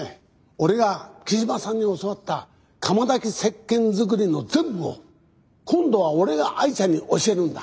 俺が木島さんに教わった窯焚き石鹸作りの全部を今度は俺がアイちゃんに教えるんだ。